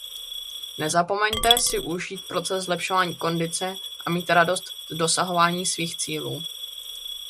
Nezapomeňte si užít proces zlepšování kondice a mít radost z dosahování svých cílů.